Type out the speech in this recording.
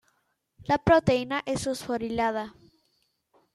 La proteína es fosforilada.